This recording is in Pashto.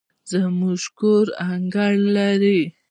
زموږ کور انګړ لري